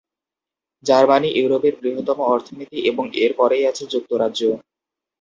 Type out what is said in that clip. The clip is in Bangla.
জার্মানি ইউরোপের বৃহত্তম অর্থনীতি এবং এর পরেই আছে যুক্তরাজ্য।